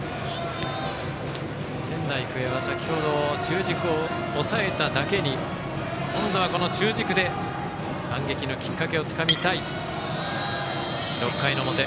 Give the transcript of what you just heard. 仙台育英は先ほど中軸を抑えただけに今度はこの中軸で反撃のきっかけをつかみたい。